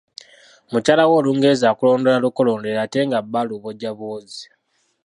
Mukyala we Olungereza akolondola lukolondole ate nga bba alubojja bubozzi.